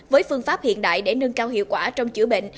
với phương pháp hiện đại để nâng cao hiệu quả trong chữa bệnh